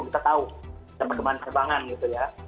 kita tahu kita menemani kembangan gitu ya